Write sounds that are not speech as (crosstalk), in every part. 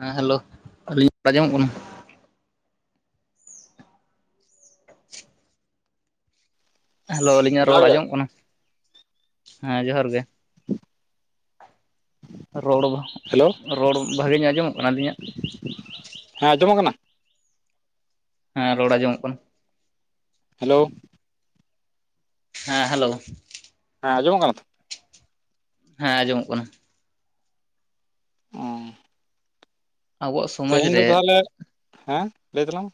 ᱦᱮᱸ ᱦᱮᱞᱳ ᱟᱹᱞᱤᱧ ᱟᱸᱡᱚᱢᱚᱜ ᱠᱟᱱᱟ ᱦᱮᱞᱳ ᱟᱞᱤᱧᱟᱜ ᱡᱚᱦᱟᱨ ᱨᱚᱲ ᱜᱮ ᱟᱸᱡᱚᱢ ᱠᱟᱱᱟ ᱦᱮᱸ ᱡᱚᱦᱟᱨ ᱜᱮ ᱨᱚᱲ ᱦᱮᱞᱳ ᱨᱚᱲ ᱵᱷᱟᱹᱜᱤ ᱧᱚᱜ ᱟᱸᱡᱚᱢᱚᱜ ᱠᱟᱱᱟ ᱟᱞᱤᱧᱟᱜ? ᱦᱮᱸ ᱡᱚᱢᱚᱜ ᱠᱟᱱᱟ? ᱦᱮᱸ ᱨᱚᱲ ᱟᱼᱟᱡᱚᱢᱚᱜ ᱠᱟᱱᱟ ᱦᱮᱞᱳᱻ ᱦᱮᱸ ᱦᱮᱞᱳᱣ ᱦᱮᱸ ᱟᱡᱢᱚᱜ ᱠᱟᱱᱟ ᱛᱚ? ᱦᱮᱸ ᱟᱸᱡᱚᱢᱚᱜ ᱠᱟᱱᱟ ᱟᱵᱚᱣᱟᱜ ᱥᱚᱢᱟᱡᱽ ᱛᱮᱦᱤᱧ ᱫᱚ ᱨᱮ ᱛᱟᱦᱟᱞᱮ ᱦᱮᱸ ᱞᱟᱹᱭ ᱛᱟᱞᱟᱝ ᱢᱮ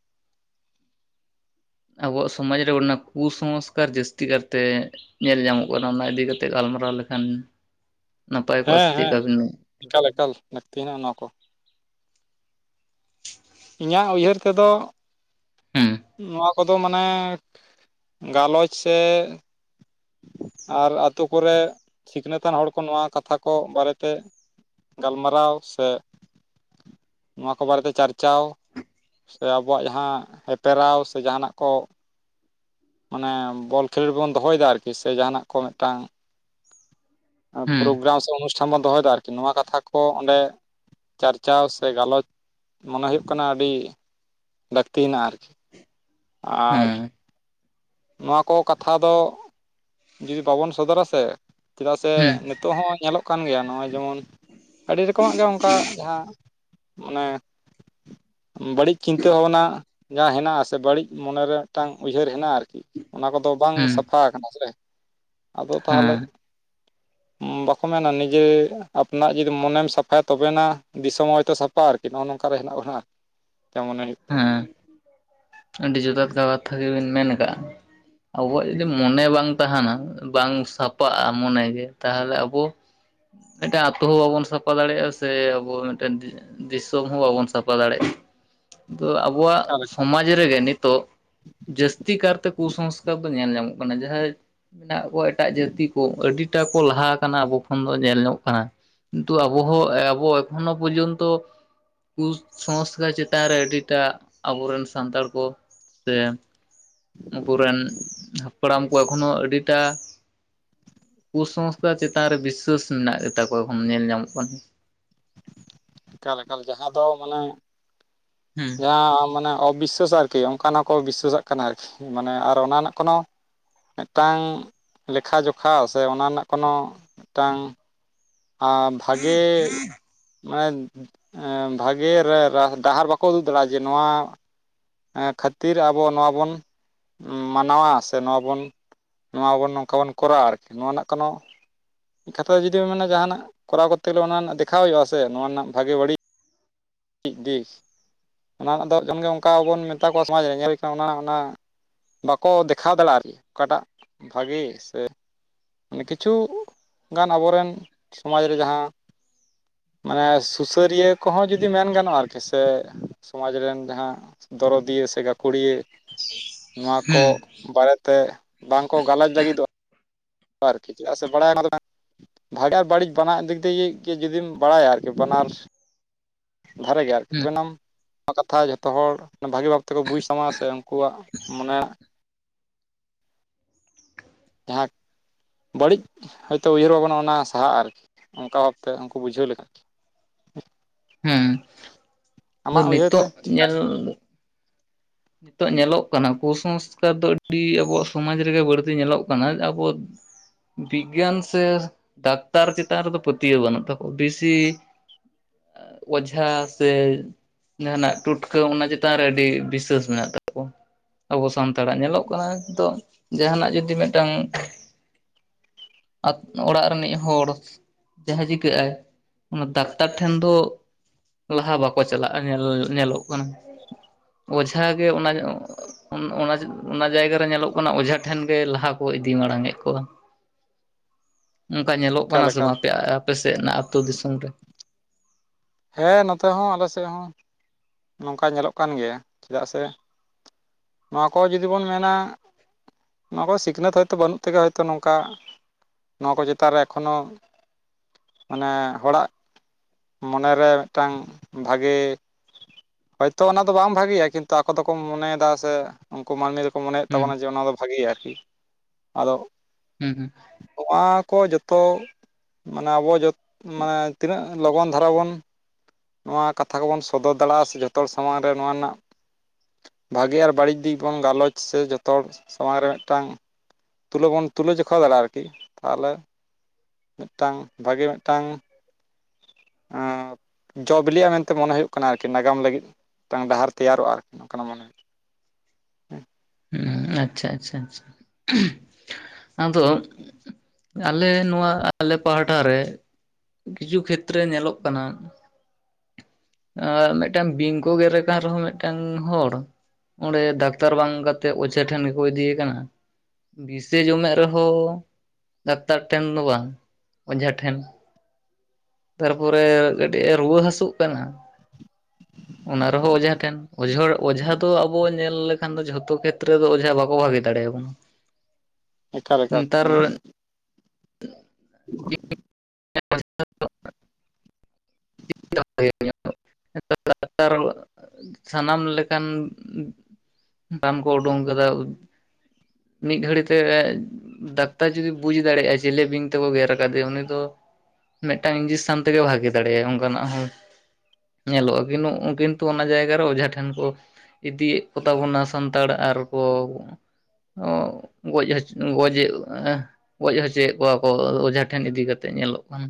ᱟᱵᱚᱣᱟᱜ ᱥᱚᱢᱟᱡᱽ ᱨᱮ ᱚᱱᱟ ᱠᱩ ᱥᱚᱝᱥᱠᱟᱨ ᱡᱟᱹᱥᱛᱤ ᱠᱟᱨᱛᱮ ᱧᱮᱞ ᱧᱟᱢᱚᱜ ᱠᱟᱱᱟ ᱚᱱᱟ ᱤᱫᱤ ᱠᱟᱛᱮᱜ ᱜᱟᱞᱢᱟᱨᱟᱣ ᱞᱮᱠᱷᱟᱱ ᱱᱟᱯᱟᱭ ᱠᱚᱜᱼᱟ ᱥᱮ ᱦᱮᱸ ᱪᱮᱫᱠᱟ ᱦᱮᱸ ᱵᱤᱱ ᱢᱮᱱ ᱮᱠᱟᱞ ᱮᱠᱟᱞ ᱞᱟᱹᱠᱛᱤ ᱦᱮᱱᱟᱜᱼᱟ ᱱᱚᱣᱟ ᱠᱚ ᱤᱧᱟᱹᱜ ᱩᱭᱦᱟᱹᱨ ᱛᱮ ᱫᱚ ᱦᱩᱸ ᱱᱚᱣᱟ ᱠᱚ ᱫᱚ ᱢᱟᱱᱮ ᱜᱟᱞᱚᱪ ᱥᱮ ᱟᱨ ᱟᱹᱛᱩ ᱠᱚᱨᱮ ᱥᱤᱠᱷᱱᱟᱹᱛᱟᱱ ᱦᱚᱲ ᱠᱚ ᱱᱚᱣᱟ ᱠᱟᱛᱷᱟ ᱠᱚ ᱵᱟᱨᱮᱛᱮ ᱜᱟᱞᱢᱟᱨᱟᱣ ᱥᱮ ᱱᱚᱣᱟ ᱠᱚ ᱵᱟᱨᱮᱛᱮ ᱪᱟᱨᱪᱟᱣ ᱥᱮ ᱟᱵᱚᱣᱟᱜ ᱡᱟᱦᱟᱸ ᱦᱮᱯᱮᱨᱟᱣ ᱥᱮ ᱡᱟᱦᱟᱱᱟᱜ ᱠᱚ ᱚᱱᱮ ᱵᱚᱞ ᱠᱷᱮᱞᱟᱹᱰ ᱨᱮ ᱵᱚᱱ ᱫᱚᱦᱚᱭᱮᱫᱟ ᱟᱨᱠᱤ ᱥᱮ ᱡᱟᱦᱟᱱᱟᱜ ᱠᱚ ᱢᱤᱫᱴᱟᱝ ᱦᱩᱸ ᱯᱨᱳᱜᱨᱟᱢ ᱥᱮ ᱚᱱᱩᱥᱴᱷᱟᱱ ᱵᱚᱱ ᱫᱚᱦᱚᱭᱮᱫᱟ ᱟᱨᱠᱤ ᱱᱚᱶᱟ ᱠᱟᱛᱷᱟ ᱠᱚ ᱚᱸᱰᱮ ᱪᱟᱨᱪᱟᱣ ᱥᱮ ᱜᱟᱞᱚᱪ ᱢᱚᱱᱮ ᱦᱩᱭᱩᱜ ᱠᱟᱱᱟ ᱟᱹᱰᱤ ᱞᱟᱹᱠᱛᱤ ᱦᱮᱱᱟᱜᱼᱟ ᱟᱨᱠᱤ ᱦᱮᱸ ᱟᱨ ᱱᱚᱣᱟ ᱠᱚ ᱠᱟᱛᱷᱟ ᱫᱚ ᱡᱩᱫᱤ ᱵᱟᱵᱚᱱ ᱥᱚᱫᱚᱨᱟ ᱥᱮ ᱪᱮᱫᱟᱜ ᱥᱮ ᱦᱩᱸ ᱱᱤᱛᱚᱜ ᱦᱚᱸ ᱧᱮᱞᱚᱜ ᱠᱟᱱ ᱜᱮᱭᱟ ᱱᱚᱜᱼᱚᱭ ᱡᱮᱢᱚᱱ ᱟᱹᱰᱤ ᱨᱚᱠᱚᱢᱟᱜ ᱜᱮ ᱚᱱᱠᱟ ᱡᱟᱦᱟᱸ ᱢᱟᱱᱮ ᱵᱟᱹᱲᱤᱡ ᱪᱤᱱᱛᱟᱹ ᱵᱷᱟᱵᱱᱟ ᱡᱟᱦᱟᱸ ᱦᱮᱱᱟᱜᱼᱟ ᱥᱮ ᱵᱟᱹᱲᱤᱡ ᱢᱚᱱᱮ ᱨᱮ ᱢᱤᱫᱴᱟᱝ ᱩᱭᱦᱟᱹᱨ ᱦᱮᱱᱟᱜᱼᱟ ᱟᱨᱠᱤ ᱚᱱᱟ ᱠᱚᱫᱚ ᱵᱟᱝ ᱦᱩᱸ ᱥᱟᱯᱷᱟ ᱟᱠᱟᱱᱟ ᱥᱮ ᱟᱫᱚ ᱛᱟᱦᱚᱞᱮ ᱦᱮᱸ ᱵᱟᱠᱚ ᱢᱮᱱᱟ ᱱᱤᱡᱟᱹ ᱟᱯᱱᱟᱜ ᱡᱩᱫᱤ ᱢᱚᱱᱮᱢ ᱥᱟᱯᱷᱟᱭᱼᱟ ᱛᱚᱵᱮᱱᱟ ᱫᱤᱥᱚᱢ ᱦᱚᱭᱛᱚ ᱥᱟᱯᱷ ᱟ ᱱᱚᱜᱼᱚ ᱱᱚᱝᱠᱼᱟ ᱦᱮᱱᱟᱜ ᱵᱚᱱᱟᱜ ᱦᱮ ᱡᱮᱢᱚᱱ ᱦᱩᱭᱩᱜ ᱦᱮᱸ ᱟᱹᱰᱤ ᱡᱚᱛᱷᱟᱛ ᱠᱟ ᱠᱟᱛᱷᱟ ᱜᱮᱵᱤᱱ ᱢᱮᱱ ᱟᱠᱟᱫᱼᱟ ᱟᱵᱚᱣᱟᱜ ᱡᱩᱫᱤ ᱢᱚᱱᱮ ᱵᱟᱝ ᱛᱟᱦᱮᱱᱟ, ᱵᱟᱝ ᱥᱟᱯᱟᱜᱼᱟ ᱢᱚᱱᱮ ᱜᱮ ᱛᱟᱦᱚᱞᱮ ᱟᱵᱚ ᱢᱤᱫᱴᱮᱱ ᱟᱛᱳ ᱦᱚᱸ ᱵᱟᱵᱚᱱ ᱥᱟᱯᱷᱟ ᱫᱟᱲᱮᱭᱟᱜᱼᱟ ᱥᱮ ᱟᱵᱚ ᱢᱤᱫ ᱫᱤᱥᱚᱢ ᱦᱚᱸ ᱵᱟᱵᱚᱱ ᱥᱟᱯᱷᱟ ᱫᱟᱲᱮᱭᱟᱜᱼᱟ, ᱟᱵᱚᱣᱟᱜ ᱥᱚᱢᱟᱡᱽ ᱨᱮ ᱜᱮ ᱱᱤᱛᱚᱜ ᱡᱟᱹᱥᱛᱤ ᱠᱟᱨᱛᱮ ᱠᱩᱥᱚᱝᱥᱠᱟᱨ ᱫᱚ ᱧᱮᱞ ᱧᱟᱢᱚᱜ ᱠᱟᱱᱟ ᱡᱟᱦᱟᱸ ᱢᱮᱱᱟᱜ ᱠᱚᱣᱟ ᱮᱴᱟᱜ ᱡᱟᱹᱛᱤ ᱠᱚ ᱟᱹᱰᱤᱴᱟ ᱠᱚ ᱞᱟᱦᱟ ᱟᱠᱟᱱᱟ ᱟᱵᱚ ᱠᱷᱚᱱ ᱫᱚ ᱧᱮᱞ ᱧᱚᱜ ᱠᱟᱱᱟ ᱠᱤᱱᱛᱩ ᱟᱵᱩ ᱦᱚᱸ ᱟᱵᱚ ᱮᱠᱷᱚ ᱯᱚᱨᱡᱚᱱᱛᱚ ᱠᱩᱥᱚᱝᱥᱠᱟᱨ ᱪᱮᱛ ᱮᱛᱟᱱ ᱨᱮ ᱟᱹᱰᱤᱴᱟᱜ ᱟᱵᱚᱨᱮᱱ ᱥᱟᱱᱛᱟᱲ ᱠᱚ ᱥᱮ ᱟᱵᱚᱨᱮᱱ ᱦᱟᱯᱲᱟᱢ ᱠᱚ ᱮᱠᱷᱚᱱᱳ ᱟᱹᱰᱤᱴᱟ ᱠᱩᱥᱚᱝᱥᱛᱷᱟ ᱪᱮᱛᱟᱱ ᱨᱮ ᱵᱤᱥ ᱥᱟᱹᱥ ᱢᱮᱱᱟᱜ ᱜᱮᱛᱟ ᱠᱚᱣᱟ ᱮᱠᱷᱚᱱ ᱧᱮᱞ ᱧᱟᱢᱚᱜ ᱠᱟᱱ ᱮᱠᱟᱞ ᱮᱠᱟᱞ ᱡᱟᱦᱟᱸ ᱫᱚ ᱢᱟᱱᱮ ᱦᱩᱸ ᱡᱟᱦᱟᱸ ᱢᱟᱱᱮ ᱚᱵᱤᱥᱥᱟ ᱟᱨᱠᱤ ᱚᱱᱠᱟ ᱦᱚᱸᱠᱚ ᱵᱤᱥᱥᱟᱹᱥᱟᱜ ᱠᱟᱱᱟ ᱟᱨᱠᱤ ᱢᱟᱱᱮ ᱟᱨ ᱚᱱᱟ ᱨᱮᱱᱟᱜ ᱠᱳᱱᱳ ᱢᱤᱫ ᱴᱟᱝ ᱞᱮᱠᱷᱟ ᱡᱚᱠᱷᱟ ᱥᱮ ᱚᱱᱟ ᱨᱮᱱᱟᱜ ᱠᱳᱱᱳ ᱢᱤᱫᱴᱟᱝ ᱟ ᱼ ᱵᱷᱟᱜᱮ ᱟᱱ ᱮ ᱵᱷᱟᱜᱮ ᱰᱟᱦᱟᱨ ᱵᱟᱠᱚ ᱩᱫᱩᱜ ᱫᱟᱲᱮᱭᱟᱜᱼᱟ ᱡᱮ ᱱᱚᱣᱟ ᱠᱷᱟᱹᱛᱤᱨ ᱟᱼ ᱟᱵᱚ ᱱᱚᱣᱟ ᱵᱚᱱ ᱢᱟᱱᱟᱣᱟ ᱥᱮ ᱱᱚᱣᱟ ᱵᱚᱱ ᱱᱚᱣᱟ ᱵᱚᱱ ᱱᱚᱝᱠᱟ ᱵᱚᱱ ᱠᱚᱨᱟᱣᱟ ᱟᱹᱨᱠᱤ ᱱᱚᱣᱟ ᱨᱮᱱᱟᱜ ᱠᱳᱱᱳ ᱠᱟᱛᱷᱟ ᱡᱩᱫᱤ ᱵ ᱢᱮᱱᱟ ᱡᱟᱦᱟᱱᱟᱜ ᱠᱚᱨᱟᱣ ᱠᱚᱨᱛᱮ ᱜᱮᱞᱮ ᱚᱱᱟ ᱨᱮᱱᱟᱜ ᱫᱮᱠᱷᱟᱣ ᱦᱩᱭᱩᱜᱼᱟ ᱥᱮ ᱱᱚᱣᱟ ᱨᱮᱱᱟᱜ ᱵᱷᱟᱜᱮᱹ ᱵᱟᱹᱲᱤᱡ ᱢᱤᱫ ᱫᱤᱥ ᱚᱱᱟ ᱫᱚ ᱡᱚᱠᱷᱚᱱ ᱜᱮ ᱚᱱᱠᱟ ᱵᱚᱱ ᱢᱮᱛᱟ ᱠᱚᱣᱟ ᱥᱚᱢᱟᱡᱽ ᱨᱮ ᱧᱮᱞ ᱦᱩᱭ ᱠᱟᱱᱟ ᱚᱱᱟ ᱚᱱᱟ ᱵᱟᱠᱚ ᱫᱮᱠᱷᱟᱣ ᱫᱟᱲᱮᱭᱟᱜᱼᱟ ᱟᱹᱨᱠᱤ ᱚᱠᱟᱴᱟᱜ ᱵᱷᱟᱹᱜᱤ ᱥᱮ ᱢᱟᱱᱮ ᱠᱤᱪᱷᱩ ᱜᱟᱱ ᱟᱵᱚᱨᱮᱱ ᱥᱚᱢᱟᱡᱽ ᱨᱮ ᱡᱟᱦᱟᱸ ᱢᱟᱱᱮ ᱥᱩᱥᱟᱹᱨᱤᱭᱟᱹ ᱠᱚᱦᱚᱸ ᱡᱩ ᱡᱩᱫᱤ ᱢᱮᱱ ᱜᱟᱱᱚᱜᱼᱟ ᱟᱹᱨᱠᱤ ᱥᱮ ᱥᱚᱢᱟᱡᱽ ᱨᱮᱱ ᱡᱟᱦᱟᱸ ᱫᱚᱨᱚᱫᱤᱭᱟᱹ ᱥᱮ ᱜᱟᱹᱠᱷᱩᱲᱤᱭᱟᱹ ᱱᱚᱣᱟ ᱠᱚ ᱦᱩᱸ ᱵᱟᱨᱮᱛᱮ ᱵᱟᱝᱠᱚ ᱜᱟᱞᱚᱪ ᱞᱟᱹᱜᱤᱫᱚᱜᱼᱟ ᱟᱨᱠᱤ ᱪᱮᱫ ᱥᱮ ᱵᱟᱲᱟᱭᱟᱠᱚ ᱵᱷᱟᱜᱮ ᱟᱨ ᱵᱟᱹᱲᱤᱡ ᱵᱟᱱᱟᱜ ᱫᱤᱠ ᱫᱤᱭᱮ ᱡᱩᱫᱤᱢ ᱵᱟᱲᱟᱭᱟ ᱟᱨᱠᱤ ᱵᱟᱱᱟᱨ ᱫᱷᱟᱨᱮ ᱜᱮᱭᱟ ᱟᱨᱠᱤ ᱦᱩᱸ ᱛᱚᱵᱮᱱᱟᱢ (inaudible) ᱱᱚᱣᱟ ᱠᱟᱛᱷᱟ ᱡᱷᱚᱛᱚ ᱦᱚᱲ ᱵᱷᱟᱹᱜᱤ ᱵᱷᱟᱵᱽ ᱛᱮᱠᱚ ᱵᱩᱡᱽ ᱛᱟᱢᱟ ᱥᱮ ᱩᱱᱠᱩᱣᱟᱜ ᱢᱟᱱᱮ ᱡᱟᱦᱟᱸ ᱵᱟᱹᱲᱤᱡ ᱦᱚᱭᱛᱳ ᱩᱭᱦᱟᱹᱨ ᱵᱷᱟᱵᱽᱱᱟ ᱚᱱᱟ ᱥᱟᱦᱟᱜ ᱟᱹᱨᱠᱤ ᱚᱱᱠᱟ ᱵᱷᱟᱵᱛᱮ ᱩᱱᱠᱩ ᱵᱩᱡᱷᱟᱹᱣ ᱞᱮᱠᱷᱟᱡ ᱦᱮᱸ ᱟᱫᱚ ᱟᱢᱟᱜ ᱩᱭᱦᱟᱹᱨ ᱛᱮ ᱱᱤᱛᱚᱜ ᱧᱮᱞ ᱱᱤᱛᱚᱜ ᱧᱮᱞᱚᱜ ᱠᱟᱱᱟ ᱠᱩᱥᱚᱝᱥᱠᱟᱨ ᱫᱚ ᱟᱹᱰᱤ ᱟᱵᱚᱣᱟᱜ ᱥᱚᱢᱟᱡᱽ ᱨᱮᱜᱮ ᱵᱟᱹᱲᱛᱤ ᱧᱮᱞᱚᱜ ᱠᱟᱱᱟ ᱟᱵᱚ ᱵᱤᱜᱽᱜᱟᱱ ᱥᱮ ᱰᱟᱠᱛᱟᱨ ᱪᱮᱛᱟᱱ ᱨᱮᱫᱚ ᱯᱟᱹᱛᱭᱟᱹᱣ ᱵᱟᱹᱱᱩᱜ ᱛᱟᱠᱚᱣᱟ ᱵᱤᱥᱤ ᱚᱡᱷᱟ ᱥᱮ ᱡᱟᱦᱟᱱᱟᱜ ᱴᱩᱴᱠᱟᱹ ᱚᱱᱟ ᱪᱮᱛᱟᱱ ᱨᱮ ᱟᱹᱰᱤ ᱵᱤᱥᱥᱟᱹᱥ ᱢᱮᱱᱟᱜ ᱛᱟᱠᱚᱣᱟ ᱟᱵᱚ ᱥᱟᱱᱛᱟᱲᱟᱜ ᱧᱮᱞᱚᱜ ᱠᱟᱱᱟ ᱱᱤᱛᱚᱜ ᱡᱟᱦᱟᱱᱟᱜ ᱡᱩᱫᱤ ᱢᱤᱫᱴᱟᱝ ᱚᱲᱟᱜ ᱨᱤᱱᱤᱡ ᱦᱚᱲ ᱡᱟᱦᱟᱸ ᱪᱤᱠᱟᱹᱜ ᱟᱭ ᱚᱱᱟ ᱰᱟᱠᱛᱟᱨ ᱴᱷᱮᱱ ᱫᱚ ᱞᱟᱦᱟ ᱵᱟᱠᱚ ᱪᱟᱞᱟᱜᱼᱟ ᱧᱮᱞ ᱧᱮᱞᱚᱜ ᱠᱟᱱᱟ᱾ (unintelligible) ᱜᱮ ᱚᱱᱟ ᱧᱚᱜ (unintelligible) ᱚᱱᱟ ᱚᱱᱟ ᱡᱟᱭᱜᱟ ᱨᱮ ᱧᱮᱞᱚᱜ ᱠᱟᱱᱟ ᱚᱡᱷᱟᱴᱷᱮᱱ ᱜᱮ ᱞᱟᱦᱟ ᱠᱚ ᱤᱫᱤ ᱢᱟᱲᱟᱝᱮᱫ ᱠᱚᱣᱟ ᱚᱱᱠᱟ ᱧᱮᱞᱚᱜ ᱠᱟᱱᱟ ᱮᱠᱟᱞ ᱥᱮ ᱮᱠᱟᱞ ᱵᱟᱝ ᱟᱯᱮ ᱟᱯᱮ ᱥᱮᱫ ᱨᱮᱱᱟᱜ ᱟᱹᱛᱩ ᱫᱤᱥᱚᱢ ᱨᱮ ᱦᱮᱸ ᱱᱚᱛᱮ ᱦᱚᱸ ᱟᱞᱮ ᱥᱮᱫ ᱦᱚᱸ ᱱᱚᱝᱠᱟ ᱧᱮᱞᱚᱜ ᱠᱟᱱ ᱜᱮᱭᱟ ᱪᱮᱫᱟᱜ ᱥᱮ ᱱᱚᱣᱟ ᱠᱚ ᱡᱩᱫᱤ ᱵᱚᱱ ᱢᱮᱱᱟ ᱱᱚᱣᱟ ᱠᱚ ᱥᱤᱠᱷᱱᱟᱹᱛ ᱦᱚᱭᱛᱳ ᱵᱟᱹᱱᱩᱜ ᱛᱮᱜᱮ ᱦᱚᱭᱛᱳ ᱱᱚᱝᱠᱟ ᱱᱚᱣᱟ ᱠᱚ ᱪᱮᱛᱟᱱ ᱨᱮ ᱮᱠᱷᱚᱱᱚ ᱢᱟᱱᱮ ᱦᱚᱲᱟᱜ ᱢᱚᱱᱮ ᱨᱮ ᱢᱤᱫᱴᱟᱝ ᱵᱷᱟᱜᱮ ᱦᱚᱭᱛᱳ ᱚᱱᱟ ᱫᱚ ᱵᱟᱝ ᱵᱷᱟᱜᱮᱹᱭᱟ ᱠᱤᱱᱛᱩ ᱟᱠᱚ ᱫᱚᱠᱚ ᱢᱚᱱᱮᱭᱫᱟ ᱥᱮ ᱩᱝᱠᱩ ᱢᱟᱹᱱᱢᱤ ᱫᱚᱠᱚ ᱢᱚᱱᱮᱭᱮᱫ ᱦᱩᱸ ᱛᱟᱵᱚᱱᱟ ᱡᱮ ᱚᱱᱟ ᱫᱚ ᱵᱷᱟᱜᱮᱹᱭᱟ ᱟᱹᱨᱠᱤ ᱟᱫᱚ ᱦᱩᱸ ᱦᱩᱸ ᱱᱚᱣᱟ ᱠᱚ ᱡᱚᱛᱚ ᱢᱟᱱᱮ ᱟᱵᱚ ᱡᱚᱛ ᱢᱟᱱᱮ ᱛᱤᱱᱟᱹᱜ ᱞᱚᱜᱚᱱ ᱫᱷᱟᱨᱟ ᱵᱚᱱ ᱱᱚᱣᱟ ᱠᱟᱛᱷᱟ ᱠᱚᱵᱚᱱ ᱥᱚᱫᱚᱨ ᱫᱟᱲᱮᱭᱟᱜᱼᱟ ᱥᱮ ᱡᱷᱚᱛᱚ ᱦᱚᱲ ᱥᱟᱢᱟᱝ ᱨᱮ ᱱᱚᱣᱟ ᱨᱮᱱᱟᱜ ᱵᱷᱟᱜᱮᱹ ᱟᱨ ᱵᱟᱹᱲᱤᱡ ᱫᱤᱠ ᱵᱚᱱ ᱜᱟᱞᱚᱪ ᱥᱮ ᱡᱚᱛᱚ ᱦᱚᱲ ᱥᱟᱢᱟᱝ ᱨᱮ ᱢᱤᱫᱴᱟᱝ ᱛᱩᱞᱟᱹ ᱵᱚᱱ ᱛᱩᱞᱟᱹ ᱡᱚᱠᱷᱟ ᱫᱟᱲᱮᱹᱭᱟᱜᱼᱟ ᱟᱹᱨᱠᱤ ᱛᱟᱦᱚᱞᱮ ᱢᱮᱜᱴᱟᱝ, ᱵᱷᱟᱜᱮ ᱢᱮᱜᱴᱟᱝ ᱮᱸ ᱡᱚ ᱵᱤᱞᱤᱜᱼᱟ ᱢᱮᱱᱛᱮ ᱢᱚᱱᱮ ᱦᱳᱭᱳᱜ ᱟᱹᱨᱠᱤ ᱱᱟᱜᱟᱢ ᱞᱟᱹᱜᱤᱫ ᱢᱤᱫᱴᱟᱝ ᱰᱟᱦᱟᱨ ᱛᱮᱭᱟᱨᱚᱜᱼᱟ ᱟᱹᱨᱠᱤ ᱱᱚᱝᱠᱟᱱᱟᱜ ᱢᱚᱱᱮ ᱦᱩᱭᱩᱜ ᱦᱩᱸ ᱟᱪᱪᱷᱟ ᱟᱪᱪᱷᱟ ᱟᱪᱪᱷᱟ ᱟᱫᱚ ᱟᱞᱮ ᱱᱚᱣᱟ ᱟᱞᱮ ᱯᱟᱦᱴᱟ ᱨᱮ ᱠᱤᱪᱷᱩ ᱠᱷᱮᱛᱨᱮ ᱧᱮᱞᱚᱜ ᱠᱟᱱᱟ᱾ ᱟᱨ ᱢᱮᱜᱴᱮᱱ ᱵᱤᱝᱠᱚ ᱜᱮᱨᱮ ᱠᱟᱱ ᱨᱮᱦᱚᱸ ᱢᱮᱜᱴᱮᱱ ᱦᱚᱲ ᱚᱸᱰᱮ ᱰᱟᱠᱛᱟᱨ ᱵᱟᱝ ᱠᱟᱛᱮᱜ, ᱚᱡᱷᱟ ᱴᱷᱮᱱ ᱜᱮ ᱠᱚ ᱤᱫᱤᱭᱮ ᱠᱟᱱᱟ᱾ ᱵᱤᱥᱮ ᱡᱚᱢᱮᱜ ᱨᱮᱦᱚᱸ ᱰᱟᱠᱛᱟᱨ ᱴᱷᱮᱱ ᱫᱚ ᱵᱟᱝ, ᱚᱡᱷᱟ ᱴᱷᱮᱱ᱾ ᱛᱟᱨᱯᱚᱨᱮ ᱠᱟᱹᱴᱤᱜᱼᱮ ᱨᱩᱣᱟᱹ ᱦᱟᱹᱥᱳᱜ ᱠᱟᱱᱟ᱾ ᱚᱱᱟ ᱨᱮᱦᱚᱸ ᱚᱡᱷᱟ ᱴᱷᱮᱱ, ᱚᱡᱷᱟ ᱚᱡᱷᱟ ᱫᱚ ᱟᱵᱚ ᱧᱮᱞ ᱞᱮᱠᱷᱟᱱ ᱫᱚ ᱡᱷᱚᱛᱚ ᱠᱷᱮᱛ ᱛᱨᱮᱫᱚ ᱚᱡᱷᱟ ᱵᱟᱠᱚ ᱵᱷᱟᱜᱮ ᱫᱟᱲᱮᱭᱟ ᱵᱚᱱᱟ᱾ ᱮᱠᱟᱞ ᱮᱠᱟᱞ ᱚᱱᱟ (inaudible) (inaudible) ᱥᱟᱱᱟᱢ ᱞᱮᱠᱟᱱ, ᱵᱟᱱ ᱠᱚ ᱚᱰᱳᱝ ᱠᱟᱫᱟ᱾ ᱢᱤᱫ ᱜᱷᱟᱹᱲᱤᱡ ᱛᱮ ᱰᱟᱠᱛᱟᱨ ᱡᱩᱫᱤ ᱵᱩᱡᱽ ᱫᱟᱲᱮᱭᱟᱜᱼᱟ ᱡᱮᱞᱮ ᱵᱤᱧ ᱛᱮᱠᱚ ᱜᱮᱨ ᱟᱠᱟᱫᱮᱭᱟ ᱾ᱩᱱᱤ ᱫᱚ ᱢᱮᱫᱴᱟᱝ ᱤᱱᱡᱤᱠᱥᱟᱱ ᱛᱮᱜᱮ ᱵᱷᱟᱜᱮ ᱫᱟᱲᱮᱭᱟᱜᱼᱟ ᱚᱱᱠᱟᱱᱟᱜ ᱦᱚᱸ ᱧᱮᱞᱚᱜᱼᱟ, ᱠᱤᱱᱛᱩ ᱚᱱᱟ ᱡᱟᱭᱜᱟᱨᱮ ᱚᱡᱷᱟ ᱴᱷᱮᱱ ᱠᱚ ᱤᱫᱤᱭᱮᱫ ᱠᱚᱛᱟ ᱵᱚᱱᱟ, ᱥᱟᱱᱛᱟᱲ ᱟᱨᱠᱚ ᱚ ᱜᱚᱡ ᱦᱚᱪ ᱜᱚᱡᱮᱜ ᱜᱚᱡ ᱦᱚᱪᱚᱭᱮᱜ ᱠᱚᱣᱟ ᱠᱚ, ᱚᱡᱷᱟ ᱴᱷᱮᱱ ᱤᱫᱤ ᱠᱟᱛᱮᱫ ᱧᱮᱞᱚᱜ ᱠᱟᱱᱟ᱾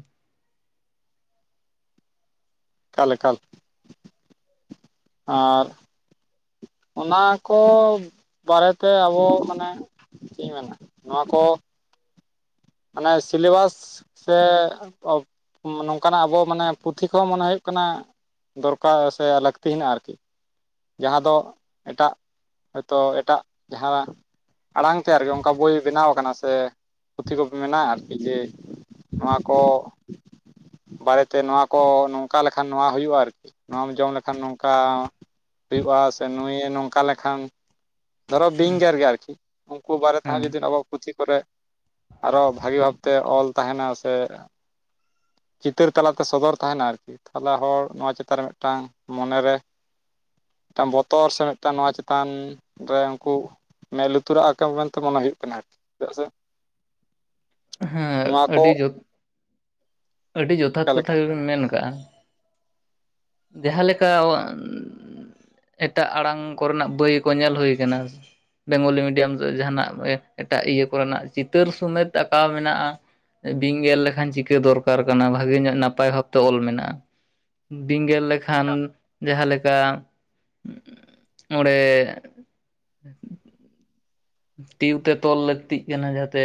ᱮᱠᱟᱞ ᱮᱠᱟᱞ᱾ ᱟᱨ ᱚᱱᱟ ᱠᱚ ᱵᱟᱨᱮᱛᱮ ᱟᱵᱚ ᱢᱟᱱᱮ ᱪᱮᱫ ᱤᱧ ᱢᱮᱱᱟ ᱱᱚᱣᱟ ᱠᱚ ᱢᱟᱱᱮ ᱥᱤᱞᱮᱵᱟᱥ ᱥᱮ ᱱᱚᱝᱠᱟᱱᱟᱜ ᱟᱵᱚ ᱢᱟᱱᱮ ᱯᱩᱛᱷᱤ ᱠᱚᱦᱚᱸ ᱢᱚᱱᱮ ᱦᱩᱭᱩᱜ ᱠᱟᱱᱟ ᱫᱚᱨᱠᱟᱨ ᱥᱮ ᱞᱟᱹᱠᱛᱤ ᱦᱮᱱᱟᱜᱼᱟ ᱟᱨᱠᱤ᱾ ᱡᱟᱦᱟᱸ ᱫᱚ ᱮᱴᱟᱜ ᱦᱚᱭᱛᱳ ᱮᱴᱟᱜ ᱡᱟᱦᱟᱸ ᱟᱲᱟᱝ ᱛᱮ ᱟᱨᱠᱤ ᱚᱱᱠᱟ ᱵᱳᱭ ᱵᱮᱱᱟᱣ ᱠᱟᱱᱟ ᱥᱮ ᱯᱩᱛᱷᱤ ᱠᱚ ᱢᱮᱱᱟᱜᱼᱟ ᱟᱨᱠᱤ ᱡᱮ ᱱᱚᱣᱟ ᱠᱚ ᱵᱟᱨᱮᱛᱮ ᱱᱚᱣᱟ ᱠᱚ ᱱᱚᱝᱠᱟ ᱞᱮᱠᱷᱟᱱ ᱱᱚᱣᱟ ᱦᱩᱭᱩᱜᱼᱟ ᱟᱨᱠᱤ ᱱᱚᱣᱟᱢ ᱡᱚᱢ ᱞᱮᱠᱷᱟᱱ ᱱᱚᱝᱠᱟ ᱦᱩᱭᱩᱜᱼᱟ ᱥᱮ ᱱᱩᱭᱮ ᱱᱚᱝᱠᱟ ᱞᱮᱠᱷᱟᱱ ᱫᱷᱚᱨᱚ ᱵᱤᱝᱜᱮᱨ ᱜᱮᱭᱟ ᱟᱨᱠᱤ ᱩᱱᱠᱩ ᱵᱟᱨᱮᱛᱮᱦᱚᱸ ᱦᱮᱸ ᱡᱩᱫᱤ ᱟᱵᱚ ᱯᱩᱛᱷᱤ ᱠᱚᱨᱮ ᱟᱨᱚ ᱵᱷᱟᱜᱮ ᱵᱷᱟᱵᱛᱮ ᱚᱞ ᱛᱟᱦᱮᱱᱟ ᱥᱮ ᱪᱤᱛᱟᱹᱨ ᱛᱟᱞᱟᱛᱮ ᱥᱚᱫᱚᱨ ᱛᱟᱦᱮᱱᱟ ᱟᱨᱠᱤ, ᱛᱟᱦᱚᱞᱮ ᱦᱚᱲ ᱱᱚᱣᱟ ᱪᱮᱛᱟᱱ ᱨᱮ ᱢᱮᱜᱴᱟᱝ ᱢᱚᱱᱮ ᱨᱮ ᱢᱮᱜᱴᱟᱱ ᱵᱚᱛᱚᱨ ᱥᱮ ᱢᱮᱜᱴᱟᱱ ᱱᱚᱣᱟ ᱪᱮᱛᱟᱱ ᱨᱮ ᱩᱝᱠᱩ ᱢᱮᱫ ᱞᱩᱛᱩᱨᱟᱜ ᱟᱠᱟ ᱢᱮᱱᱛᱮ ᱢᱚᱱᱮ ᱦᱩᱭᱩᱜ ᱠᱟᱱᱟ ᱟᱨᱠᱤ ᱪᱤᱫᱟᱜ ᱥᱮ ᱦᱮᱸ ᱱᱚᱣᱟ ᱠᱚ ᱟᱹᱰᱤ ᱡᱚᱛ ᱟᱹᱰᱤ ᱡᱚᱛᱷᱟᱛ ᱚᱠᱟ ᱞᱮᱠᱟ ᱠᱟᱛᱷᱟ ᱜᱮᱵᱤᱱ ᱢᱮᱱ ᱠᱟᱜᱼᱟ᱾ ᱡᱟᱦᱟᱸ ᱞᱮᱠᱟ ᱮᱴᱟᱜ ᱟᱲᱟᱝ ᱠᱚᱨᱮᱱᱟᱜ ᱵᱟᱹᱭ ᱠᱚ ᱧᱮᱞ ᱦᱳᱭ ᱠᱟᱱᱟ᱾ ᱵᱮᱝᱜᱚᱞᱤ ᱢᱤᱰᱤᱭᱟᱢ ᱨᱮ ᱡᱟᱦᱟᱱᱟᱜ ᱮᱴᱟᱜ ᱤᱭᱟᱹ ᱠᱚᱨᱮᱱᱟᱜ ᱪᱤᱛᱟᱹᱨ ᱥᱚᱢᱮᱛ ᱟᱠᱟᱣ ᱢᱮᱱᱟᱜᱼᱟ ᱵᱤᱧ ᱜᱮᱨ ᱞᱮᱠᱷᱟᱱ ᱪᱤᱠᱟᱹ ᱫᱚᱨᱠᱟᱨ ᱠᱟᱱᱟ ᱵᱷᱟᱹᱜᱮ ᱧᱚᱜ ᱱᱟᱯᱟᱭ ᱵᱷᱟᱵᱛᱮ ᱚᱞ ᱢᱮᱱᱟᱜᱼᱟ᱾ ᱵᱤᱧ ᱜᱮᱨ ᱞᱮᱠᱷᱟᱱ ᱡᱟᱦᱟᱸ ᱞᱮᱠᱟ ᱚᱰᱮ ᱴᱤᱭᱩ ᱛᱮ ᱛᱚᱞ ᱞᱟᱹᱠᱛᱤᱜ ᱠᱟᱱᱟ ᱡᱟᱛᱮ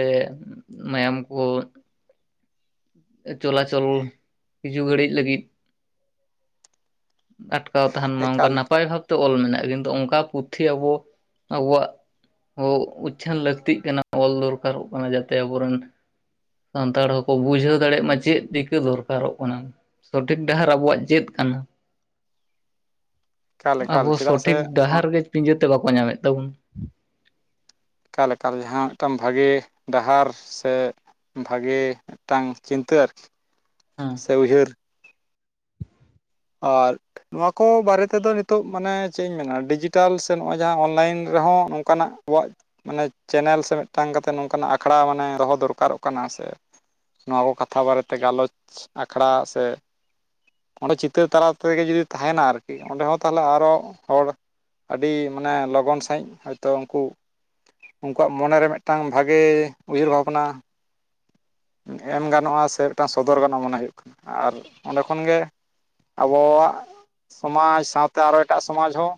ᱢᱟᱭᱟᱢ ᱠᱚ ᱪᱚᱞᱟᱪᱚᱞ ᱠᱤᱪᱷᱩ ᱜᱷᱟᱹᱲᱤᱡ ᱞᱟᱹᱜᱤᱫ ᱟᱴᱠᱟᱣ ᱛᱟᱦᱮᱱ ᱢᱟ ᱚᱱᱠᱟ ᱮᱠᱟᱞ ᱱᱟᱯᱟᱭ ᱵᱷᱟᱵᱛᱮ ᱚᱞ ᱢᱮᱱᱟᱜᱼᱟ ᱠᱤᱱᱛᱩ ᱚᱱᱠᱟ ᱯᱩᱛᱷᱤ ᱟᱵᱚ ᱟᱵᱚᱣᱟᱜ ᱦᱚᱸ ᱩᱪᱪᱷᱟᱹᱱ ᱞᱟᱹᱠᱛᱤᱜ ᱠᱟᱱᱟ ᱚᱞ ᱫᱚᱨᱠᱟᱨᱚᱜ ᱠᱟᱱᱟ ᱡᱟᱛᱮ ᱟᱵᱚᱨᱮᱱ ᱥᱟᱱᱛᱟᱲ ᱦᱚᱸᱠᱚ ᱵᱩᱡᱷᱟᱹᱣ ᱫᱟᱲᱮᱭᱟᱜ ᱢᱟ ᱪᱮᱫ ᱪᱤᱠᱟᱹ ᱫᱚᱨᱠᱟᱨᱚᱜ ᱠᱟᱱᱟ᱾ ᱥᱚᱴᱷᱤᱠ ᱰᱟᱦᱟᱨ ᱟᱵᱚᱣᱟᱜ ᱪᱮᱫ ᱠᱟᱱᱟ ᱮᱠᱟᱞ ᱮᱠᱟᱞ ᱟᱵᱚ ᱪᱮᱫᱟᱜ ᱥᱮ ᱥᱚᱴᱷᱤᱠ ᱰᱟᱦᱟᱨ ᱜᱮ ᱯᱤᱸᱡᱟᱹ ᱛᱮ ᱵᱟᱠᱚ ᱧᱟᱢᱮᱫ ᱛᱟᱵᱚᱱ ᱮᱠᱟᱞᱮᱠᱟ ᱡᱟᱦᱟᱸ ᱢᱤᱫᱴᱟᱝ ᱵᱷᱟᱜᱮ ᱰᱟᱦᱟᱨ ᱥᱮ ᱵᱷᱟᱜᱮ ᱢᱤᱫᱴᱟᱝ ᱪᱤᱱᱛᱟᱹ ᱟᱨᱠᱤ ᱦᱮᱸ ᱥᱮ ᱩᱭᱦᱟᱹᱨ᱾ ᱟᱨ ᱱᱚᱣᱟ ᱠᱚ ᱵᱟᱨᱮ ᱛᱮᱫᱚ ᱱᱤᱛᱚᱜ ᱢᱟᱱᱮ ᱪᱮᱫ ᱤᱧ ᱢᱮᱱᱟ ᱰᱤᱡᱤᱴᱟᱞ ᱥᱮ ᱱᱚᱜᱼᱚᱭ ᱡᱟᱦᱟᱸ ᱚᱱᱞᱟᱭᱤᱱ ᱨᱮᱦᱚᱸ ᱱᱚᱝᱠᱟᱱᱟᱜ ᱟᱵᱚᱣᱟᱜ ᱢᱟᱱᱮ ᱪᱮᱱᱮᱞ ᱥᱮ ᱢᱤᱫᱴᱟᱝ ᱠᱟᱛᱮᱜ ᱱᱚᱝᱠᱟᱱᱟᱜ ᱟᱠᱷᱲᱟ ᱢᱟᱱᱮ ᱫᱚᱦᱚ ᱫᱚᱨᱠᱟᱨᱚᱜ ᱠᱟᱱᱟ ᱥᱮ ᱱᱚᱣᱟ ᱠᱚ ᱠᱟᱛᱷᱟ ᱵᱟᱨᱮᱛᱮ ᱜᱟᱞᱚᱪ ᱟᱠᱷᱲᱟ ᱥᱮ ᱚᱰᱮ ᱪᱤᱛ ᱤᱛᱟᱨ ᱛᱟᱞᱟ ᱛᱮᱜᱮ ᱡᱩᱫᱤ ᱛᱟᱦᱮᱱᱟ ᱟᱨᱠᱤ ᱚᱸᱰᱮ ᱦᱚᱸ ᱛᱟᱦᱚᱞᱮ ᱟᱨᱚ ᱦᱚᱲ ᱟᱹᱰᱤ ᱢᱟᱱᱮ ᱞᱚᱜᱚᱱ ᱥᱟᱺᱦᱤᱡ ᱦᱳᱭᱛᱚ ᱩᱱᱠᱩ ᱩᱱᱠᱩᱣᱟᱜ ᱢᱚᱱᱮ ᱨᱮ ᱢᱤᱫᱴᱟᱝ ᱵᱷᱟᱜᱮ ᱩᱭᱦᱟᱹᱨ ᱵᱷᱟᱵᱽᱱᱟ ᱮᱢ ᱜᱟᱱᱚᱜᱼᱟ ᱥᱮ ᱢᱤᱫᱴᱟᱝ ᱥᱚᱫᱚᱨ ᱜᱟᱱᱚᱜᱼᱟ ᱢᱚᱱᱮ ᱦᱩᱭᱩᱜ ᱠᱟᱱᱟ ᱟᱨ ᱚᱸᱰᱮ ᱠᱷᱚᱱ ᱜᱮ᱾ ᱟᱵᱚᱣᱟᱜ ᱥᱚᱢᱟᱡᱽ ᱥᱟᱶᱛᱮ ᱟᱨᱚ ᱮᱴᱟᱜ ᱥᱚᱢᱟᱡᱽ ᱦᱚᱸ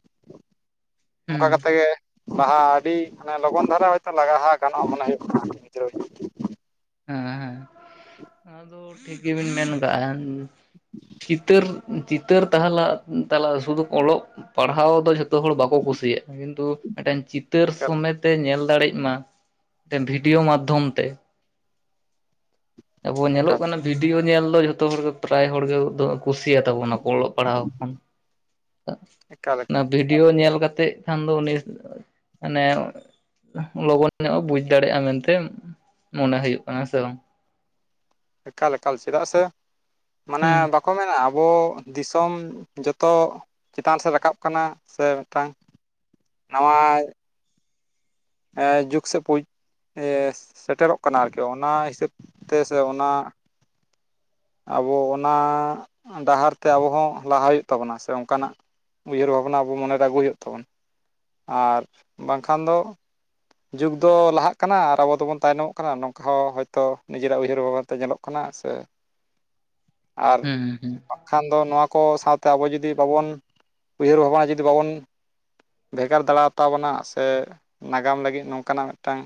ᱦᱩᱸ ᱚᱱᱠᱟ ᱠᱟᱛᱮᱜ ᱜᱮ ᱞᱟᱦᱟ ᱟᱹᱰᱤ ᱢᱟᱱᱮ ᱞᱚᱜᱚᱱ ᱫᱷᱟᱨᱟ ᱦᱚᱳᱭᱛᱳ ᱞᱟᱜᱟᱦᱟ ᱜᱟᱱᱚᱜᱼᱟ ᱢᱚᱱᱮ ᱦᱩᱭᱩᱜ ᱠᱟᱱᱟ ᱜᱤᱫᱽᱨᱟᱹ ᱦᱮᱸ ᱦᱮᱸ ᱟᱫᱚ ᱴᱷᱤᱠ ᱜᱮᱵᱤᱱ ᱢᱮᱱ ᱠᱟᱜᱼᱟ᱾ ᱪᱤᱛᱟᱹᱨ ᱪᱤᱛᱟᱹᱨ ᱛᱟ ᱛᱟᱞᱟ ᱥᱩᱫᱷᱩ ᱚᱞᱚᱜ ᱯᱟᱲᱦᱟᱣ ᱫᱚ ᱡᱷᱚᱛᱚ ᱦᱚᱲ ᱵᱟᱠᱚ ᱠᱩᱥᱤᱭᱟᱜᱼᱟ ᱠᱤᱱᱛᱩ ᱢᱤᱫᱴᱮᱱ ᱪᱤᱛᱟᱹᱨ ᱥᱚᱢᱮᱛᱮ ᱧᱮᱞ ᱫᱟᱲᱮᱭᱟᱜ ᱢᱟ ᱢᱤᱫᱴᱮᱱ ᱵᱷᱤᱰᱤᱭᱳ ᱢᱟᱫᱽᱫᱷᱚᱢ ᱛᱮ ᱟᱵᱚ ᱧᱮᱞᱚᱜ ᱮᱠᱟᱞ ᱠᱟᱱᱟ᱾ ᱵᱷᱤᱰᱭᱳ ᱧᱮᱞ ᱫᱚ ᱡᱷᱚᱛᱚ ᱦᱚᱲ ᱜᱮ ᱯᱨᱟᱭ ᱦᱚᱲᱜ ᱠᱩᱥᱤᱭᱟᱛᱟ ᱵᱚᱱᱟ ᱠᱚ ᱚᱞᱚᱜ ᱯᱟᱲᱦᱟᱣ ᱠᱷᱚᱱ (unintelligible) ᱮᱠᱟᱞ ᱮᱠᱟᱞ ᱵᱷᱤᱰᱤᱭᱳ ᱧᱮᱞ ᱠᱟᱛᱮᱫ ᱠᱷᱟᱱ ᱫᱚ ᱩᱱᱤ ᱢᱟᱱᱮ ᱞᱚᱜᱚᱱ ᱧᱚᱜ ᱮ ᱵᱩᱡ ᱫᱟᱲᱮᱭᱟᱜᱼᱟ᱾ ᱢᱮᱱᱛᱮ ᱢᱚᱱᱮ ᱦᱩᱭᱩᱜ ᱠᱟᱱᱟ ᱥᱮ ᱵᱟᱝ ᱮᱠᱟᱞ ᱮᱠᱟᱞ ᱪᱮᱫᱟᱜ ᱥᱮ ᱢᱟᱱᱮ ᱦᱩᱸ ᱵᱟᱠᱚ ᱢᱮᱱᱟ ᱟᱵᱚ ᱫᱤᱥᱚᱢ ᱡᱚᱛᱚ ᱪᱮᱛᱟᱱ ᱥᱮᱫ ᱨᱟᱠᱟᱵ ᱠᱟᱱᱟ ᱥᱮ ᱢᱤᱫᱴᱟᱝ ᱱᱟᱣᱟᱣ ᱡᱩᱜᱽ ᱥᱮᱫ ᱥᱮᱴᱮᱨᱚᱜ ᱠᱟᱱᱟ ᱟᱨᱠᱤ ᱚᱱᱟ ᱦᱤᱥᱟᱹᱵ ᱛᱮ ᱥᱮ ᱚᱱᱟ ᱟᱵᱚ ᱚᱱᱟ ᱰᱟᱦᱟᱨ ᱛᱮ ᱟᱵᱚ ᱦᱚᱸ ᱞᱟᱦᱟ ᱦᱩᱭᱩᱜ ᱛᱟᱵᱚᱱᱟ ᱥᱮ ᱚᱱᱠᱟᱱᱟᱜ ᱩᱭᱦᱟᱹᱨ ᱵᱷᱟᱵᱽᱱᱟ ᱟᱵᱚ ᱢᱚᱱᱮᱨᱮ ᱟᱹᱜᱩ ᱦᱩᱭᱩᱜ ᱛᱟᱵᱚ ᱟᱨ ᱵᱟᱝᱠᱷᱟᱱ ᱫᱚ ᱡᱩᱜᱽ ᱫᱚ ᱞᱟᱦᱟᱜ ᱠᱟᱱᱟ ᱟᱨ ᱟᱵᱚ ᱫᱚᱵᱚᱱ ᱛᱟᱭᱱᱚᱢᱚᱜ ᱠᱟᱱᱟ ᱱᱚᱝᱠᱟ ᱦᱚᱸ ᱦᱚᱳᱭᱛᱳ ᱱᱤᱡᱮᱨᱟᱜ ᱩᱭᱦᱟᱹᱨ ᱵᱷᱟᱵᱚᱱ ᱛᱮ ᱧᱮᱞᱚᱜ ᱠᱟᱱᱟ ᱥᱮ (inaudible) ᱟᱨ ᱦᱩᱸ ᱦᱩᱸ ᱠᱷᱟᱱ ᱫᱚ ᱱᱚᱣᱟ ᱠᱚ ᱥᱟᱶᱛᱮ ᱟᱵᱚ ᱡᱩᱫᱤ ᱵᱟᱵᱚᱱ ᱩᱭᱦᱟᱹᱨ ᱵᱷᱟᱵᱽᱱᱟ ᱡᱩᱫᱤ ᱵᱟᱵᱚᱱ ᱵᱷᱮᱜᱟᱨ ᱫᱟᱲᱟ ᱛᱟᱵᱚᱱᱟ ᱥᱮ ᱜᱟᱢ ᱞᱟᱹᱜᱤᱫ ᱱᱚᱝᱠᱟᱱᱟᱜ ᱢᱤᱫᱴᱟᱝ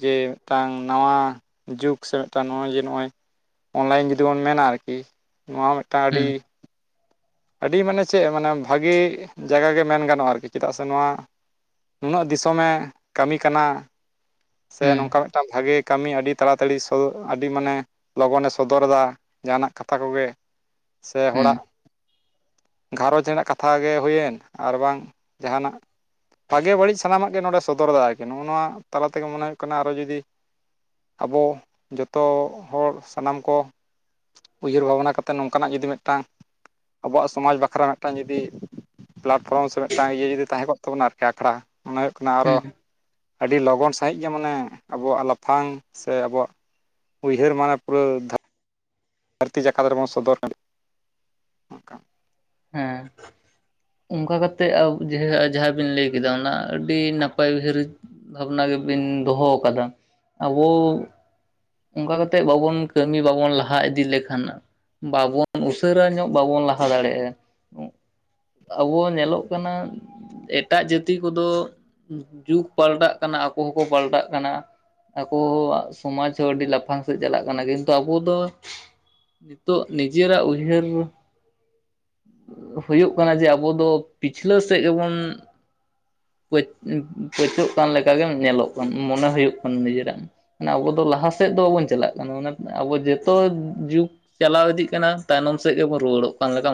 ᱡᱮ ᱢᱤᱫᱴᱟᱝ ᱱᱟᱣᱟ ᱡᱩᱜᱽ ᱥᱮ ᱢᱤᱫᱴᱟᱝ ᱱᱚᱜᱼᱚᱭ ᱡᱮ ᱱᱚᱜᱼᱚᱭ ᱚᱱᱞᱟᱭᱤᱱ ᱡᱩᱫᱤ ᱵᱚᱱ ᱢᱮᱱᱟ ᱟᱨᱠᱤ ᱱᱚᱣᱟ ᱦᱚᱸ ᱢᱤᱫᱴᱟᱝ ᱦᱩᱸ ᱟᱹᱰᱤ ᱟᱹᱰᱤ ᱢᱟᱱᱮ ᱪᱮᱫ ᱢᱟᱱᱮ ᱵᱷᱟᱹᱜᱮ ᱡᱟᱭᱜᱟ ᱜᱮ ᱢᱮᱱ ᱜᱟᱱᱚᱜᱼᱟ ᱟᱨᱠᱤ ᱪᱮᱫᱟᱜ ᱥᱮ ᱱᱚᱣᱟ ᱱᱩᱱᱟᱹᱜ ᱫᱤᱥᱚᱢᱮ ᱠᱟᱹᱢᱤ ᱠᱟᱱᱟ᱾ ᱥᱮ ᱦᱩᱸ ᱱᱚᱝᱠᱟ ᱢᱤᱫᱴᱟᱱ ᱵᱷᱟᱜᱮ ᱠᱟᱹᱢᱤ ᱟᱹᱰᱤ ᱛᱟᱲᱟᱛᱟᱲᱤ ᱟᱹᱰᱤ ᱢᱟᱱᱮ ᱞᱚᱜᱚᱱᱮ ᱥᱚᱫᱚᱨ ᱫᱟ᱾ ᱡᱟᱦᱟᱱᱟᱜ ᱠᱟᱛᱷᱟ ᱠᱚᱜᱮ ᱥᱮ ᱦᱩᱸ ᱦᱚᱲᱟᱜ ᱜᱷᱟᱨᱚᱸᱡᱽ ᱨᱮᱱᱟᱜ ᱠᱟᱛᱷᱟ ᱜᱮ ᱦᱩᱭᱮᱱ ᱟᱨ ᱵᱟᱝ ᱡᱟᱦᱟᱱᱟᱜ᱾ ᱵᱷᱟᱜᱮ ᱵᱟᱹᱲᱤᱡ ᱥᱟᱱᱟᱢᱟᱜ ᱜᱮ ᱱᱚᱸᱰᱮ ᱥᱚᱫᱚᱨ ᱫᱟᱭ ᱟᱨᱠᱤ ᱱᱚᱜᱼᱚ ᱱᱚᱣᱟ ᱛᱟᱞᱟ ᱛᱮᱜᱮ ᱢᱚᱱᱮ ᱦᱩᱭᱩᱜ ᱠᱟᱱᱟ ᱟᱨᱚ ᱡᱩᱫᱤ ᱟᱵᱚ ᱡᱚᱛᱚ ᱦᱚᱲ ᱥᱟᱱᱟᱢ ᱠᱚ ᱩᱭᱦᱟᱹᱨ ᱵᱷᱟᱵᱽᱱᱟ ᱠᱟᱛᱮᱫ ᱱᱚᱝᱠᱟᱱᱟᱜ ᱡᱩᱫᱤ ᱢᱤᱫᱴᱟᱝ ᱟᱵᱚᱣᱟᱜ ᱥᱚᱢᱟᱡᱽ ᱵᱟᱠᱷᱨᱟ ᱢᱤᱫᱴᱟᱝ ᱡᱩᱫᱤ ᱯᱞᱟᱴᱯᱷᱨᱚᱢ ᱥᱮ ᱢᱤᱫᱴᱟᱱ ᱤᱭᱟᱹ ᱡᱩᱫᱤ ᱛᱟᱦᱮᱸ ᱠᱚᱜ ᱛᱟᱵᱚᱱᱟ ᱟᱨᱠᱤ ᱟᱠᱷᱲᱟ ᱚᱱᱟ ᱦᱩᱭᱩᱜ ᱠᱟᱱᱟ ᱟᱨᱚ ᱦᱩᱸ ᱟᱹᱰᱤ ᱞᱚᱜᱚᱱ ᱥᱟ ᱥᱟᱦᱤᱡ ᱜᱮ ᱢᱟᱱᱮ ᱟᱵᱚᱣᱟᱜ ᱞᱟᱯᱷᱟᱝ ᱥᱮ ᱟᱵᱚᱣᱟᱜ ᱩᱭᱦᱟᱹᱨ ᱢᱟᱱᱮ ᱯᱩᱨᱟᱹᱫᱷᱟ ᱫᱷᱟᱹᱨᱛᱤ ᱡᱟᱠᱟᱛ ᱨᱮᱵᱚᱱ ᱥᱚᱫᱚᱨ ᱫᱟᱲ ᱦᱮᱸᱻ᱾ ᱚᱱᱠᱟ ᱠᱟᱛᱮᱜ ᱟ ᱡᱮ ᱡᱟᱦᱟᱸ ᱵᱤᱱ ᱞᱟᱹᱭ ᱠᱮᱫᱟ ᱚᱱᱟ ᱟᱹᱰᱤ ᱱᱟᱯᱟᱭ ᱦᱩᱭᱟᱹᱨᱤᱡ ᱵᱷᱟᱵᱱᱟ ᱜᱮᱵᱤᱱ ᱫᱚᱦᱚ ᱠᱟᱫᱟ ᱟᱵᱚ ᱚᱱᱠᱟ ᱠᱟᱛᱮᱜ ᱵᱟᱵᱚᱱ ᱠᱟᱹᱢᱤ ᱵᱟᱵᱚᱱ ᱞᱟᱦᱟ ᱤᱫᱤ ᱞᱮᱠᱷᱟᱱ ᱵᱟᱵᱚᱱ ᱩᱥᱟᱹᱨᱟ ᱧᱚᱜ ᱵᱟᱵᱚᱱ ᱞᱟᱦᱟ ᱫᱟᱲᱮᱭᱟᱜᱼᱟ᱾ ᱟᱵᱚ ᱧᱮᱞᱚᱜ ᱠᱟᱱᱟ ᱮᱴᱟᱜ ᱡᱟᱹᱛᱤ ᱠᱚᱫᱚ ᱡᱩᱜᱽ ᱯᱟᱞᱴᱟᱜ ᱠᱟᱱᱟ ᱟᱠᱚ ᱦᱚᱸᱠᱚ ᱯᱟᱞᱴᱟᱜ ᱠᱟᱱᱟ᱾ ᱟᱠᱚ ᱥᱚᱢᱟᱡᱽ ᱦᱚᱸ ᱟᱹᱰᱤ ᱞᱟᱯᱷᱟᱝ ᱥᱮᱫ ᱪᱟᱞᱟᱜ ᱠᱟᱱᱟ, ᱠᱤᱱᱛᱩ ᱟᱵᱚ ᱫᱚ ᱱᱤᱛᱚᱜ ᱱᱤᱡᱮᱨᱟᱜ ᱩᱭᱦᱟᱹᱨ ᱦᱩᱭᱩᱜ ᱠᱟᱱᱟ ᱡᱮ ᱟᱵᱚ ᱫᱚ ᱯᱤᱪᱷᱞᱟᱹ ᱥᱮᱜ ᱜᱮᱵᱚᱱ ᱯᱟᱹᱪ ᱯᱟᱪᱹᱜ ᱠᱟᱱ ᱞᱮᱠᱟ ᱜᱮᱢ ᱧᱮᱞᱚᱜ ᱠᱟᱱ ᱢᱚᱱᱮ ᱦᱩᱭᱩᱜ ᱠᱟᱱ ᱱᱤᱡᱮᱨᱟᱜ᱾ ᱢᱟᱱᱮ ᱟᱵᱚ ᱫᱚ ᱞᱟᱦᱟ ᱥᱮᱫ ᱫᱚ ᱵᱟᱵᱚᱱ ᱪᱟᱞᱟᱜ ᱠᱟᱱᱟ᱾ ᱟᱵᱚ ᱡᱚᱛᱚ ᱡᱩᱜ ᱪᱟᱞᱟᱣ ᱤᱫᱤᱜ ᱠᱟᱱᱟ ᱛᱟᱭᱱᱚᱢ ᱥᱮᱫ ᱜᱮᱵᱚᱱ ᱨᱩᱣᱟᱹᱲᱚᱜ ᱠᱟᱱ ᱞᱮᱠᱟ